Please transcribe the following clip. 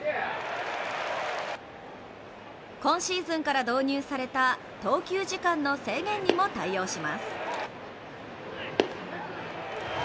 今シーズンから導入された投球時間の制限にも対応します。